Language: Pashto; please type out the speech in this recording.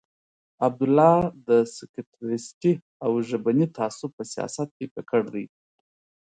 عبدالله د سکتریستي او ژبني تعصب په سیاست کې ککړ دی.